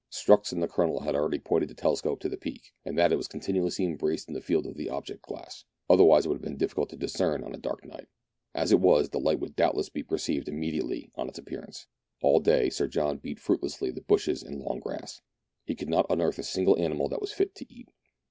Strux and the Colonel had already pointed the telescope to the peak, so that it was continuously embraced in the field of the object glass, otherwise it would have been difficult to discern on a dark night ; as it was, the light would doubtless be perceived immediately on its appearance. All day Sir John beat fruitlessly the bushes and long grass. He could not unearth a single animal that was fit to eat.